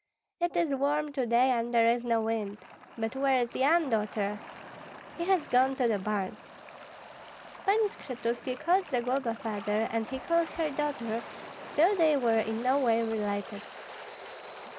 "It is warm to day, and there is no wind. But where is Yan, Daughter?" "He has gone to the barns." Pani Skshetuski called Zagloba father, and he called her daughter, though they were in no way related.